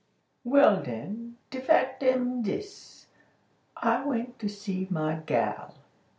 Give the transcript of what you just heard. "Well den, de fact am dis. I went to see my gal.